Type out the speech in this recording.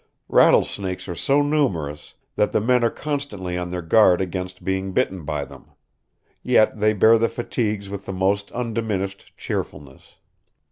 Rattlesnakes are so numerous that the men are constantly on their guard against being bitten by them; yet they bear the fatigues with the most undiminished cheerfulness."